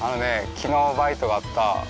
きのうバイトがあった